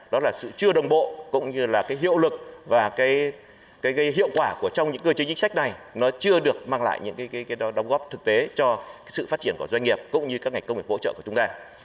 đó là sự chưa đồng bộ cũng như là cái hiệu lực và cái hiệu quả của trong những cơ chế chính sách này nó chưa được mang lại những đóng góp thực tế cho sự phát triển của doanh nghiệp cũng như các ngành công nghiệp hỗ trợ của chúng ta